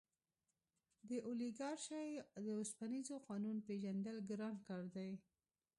د اولیګارشۍ د اوسپنیز قانون پېژندل ګران کار دی.